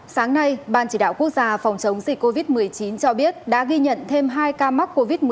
sáng nay ban chỉ đạo quốc gia phòng chống dịch covid một mươi chín cho biết đã ghi nhận thêm hai ca mắc covid một mươi chín